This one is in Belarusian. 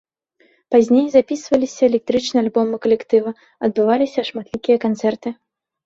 Пазней запісваліся электрычныя альбомы калектыва, адбываліся шматлікія канцэрты.